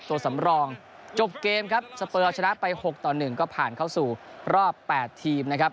ตัวสำรองจบเกมครับสเปอร์ชนะไป๖ต่อ๑ก็ผ่านเข้าสู่รอบ๘ทีมนะครับ